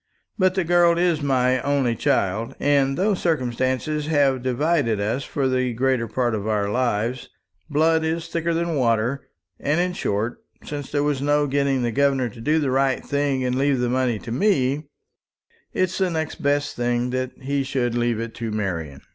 But the girl is my only child, and though circumstances have divided us for the greater part of our lives, blood is thicker than water; and in short, since there was no getting the governor to do the right thing, and leave this money to me, it's the next best thing that he should leave it to Marian."